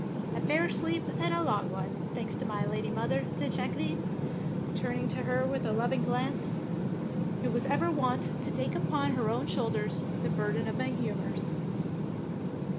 " A fair sleep and a long one, thanks to my lady mother," said Jacqueline, turning to her with a loving glance, " who was ever wont to take upon 85 DEEDS OF DARING her own shoulders the burden of my humours.